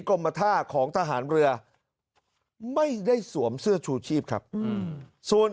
กรมท่าของทหารเรือไม่ได้สวมเสื้อชูชีพครับส่วน